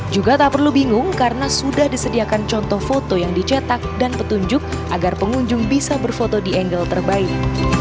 juga tak perlu bingung karena sudah disediakan contoh foto yang dicetak dan petunjuk agar pengunjung bisa berfoto di angle terbaik